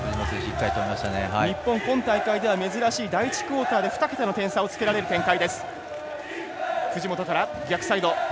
日本、今大会では珍しい第１クオーターで２桁の差をつけられる展開。